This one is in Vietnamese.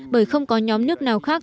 bởi không có nhóm nước nào khác